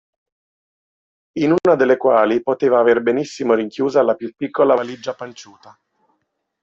In una delle quali poteva aver benissimo rinchiusa la più piccola valigia panciuta.